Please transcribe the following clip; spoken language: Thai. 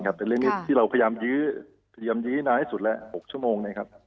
เป็นเรื่องนี้ที่เราพยายามยื้อพยายามยื้อนานให้สุดละ๖ชั่วโมง